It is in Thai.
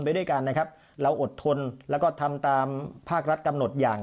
ไปด้วยกันนะครับเราอดทนแล้วก็ทำตามภาครัฐกำหนดอย่าง